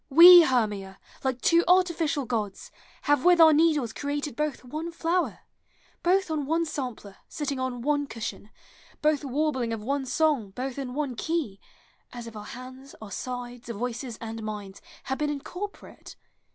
We, Ilermia, like two artificial gods, Ilave with our needles created both one flower, Both on one sampler, sitting on one cushion, FRIENDSHIP. 345 Both warbling of one song, both in one key, As if our hands, our sides, voices, and minds. Had been incorporate.